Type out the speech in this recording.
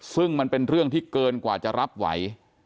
ซึ่งมันเป็นเรื่องที่เกินกว่าจะรับไหว